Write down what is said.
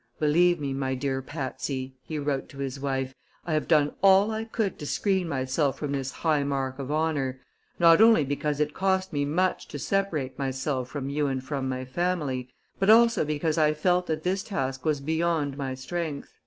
"Believe me, my dear Patsy," he wrote to his wife, "I have done all I could to screen myself from this high mark of honor, not only because it cost me much to separate myself from you and from my family, but also because I felt that this task was beyond my strength."